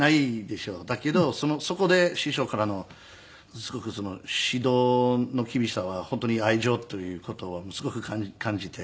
だけどそこで師匠からの指導の厳しさは本当に愛情という事はすごく感じて。